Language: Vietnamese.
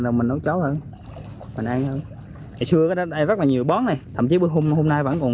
rồi mình nấu cháo hơn mình ăn hơn hồi xưa ở đây rất là nhiều bón này thậm chí hôm nay vẫn còn